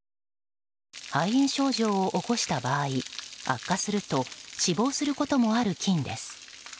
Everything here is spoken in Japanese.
肺炎症状を起こした場合悪化すると死亡することもある菌です。